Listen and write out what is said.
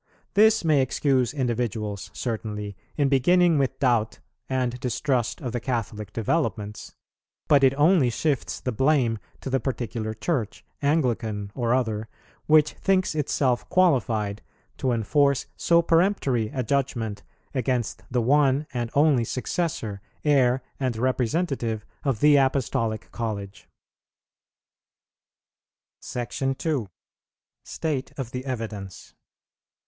This may excuse individuals certainly, in beginning with doubt and distrust of the Catholic developments, but it only shifts the blame to the particular Church, Anglican or other, which thinks itself qualified to enforce so peremptory a judgment against the one and only successor, heir and representative of the Apostolic college. SECTION II. STATE OF THE EVIDENCE.